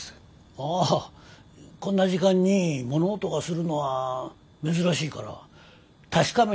ああこんな時間に物音がするのは珍しいから確かめに来たんだよ。